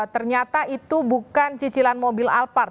ternyata itu bukan cicilan mobil alphard